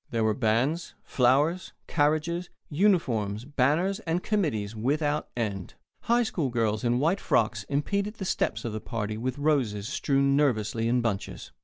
There were bands, flowers, carriages, uniforms, banners, and committees without end. High school girls in white frocks impeded the steps of the party with roses strewn nervously in bunches.